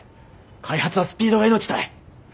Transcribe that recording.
開発はスピードが命たい。